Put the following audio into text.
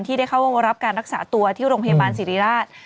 ที่ได้เข้ารับการรักษาตัวที่โรงพยาบาลสิริราช